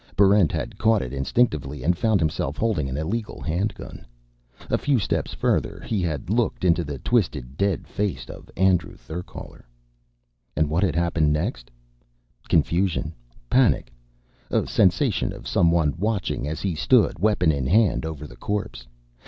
Barrent had caught it instinctively and found himself holding an illegal handgun. A few steps further, he had looked into the twisted dead face of Andrew Therkaler. And what had happened next? Confusion. Panic. A sensation of someone watching as he stood, weapon in hand, over the corpse.